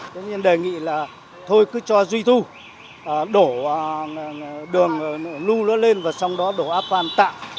tuy nhiên đề nghị là thôi cứ cho duy thu đổ đường lưu nó lên và sau đó đổ áp quan tạm